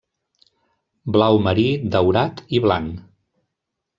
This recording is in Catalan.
Blau marí, daurat i blanc.